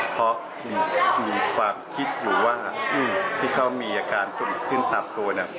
เพราะมีความคิดอยู่ว่าที่เขามีอาการตุนขึ้นตามตัวเนี่ย